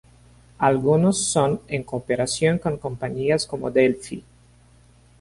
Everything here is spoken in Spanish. Algunos son en cooperación con compañías como Delphi.